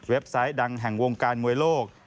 ไซต์ดังแห่งวงการมวยโลก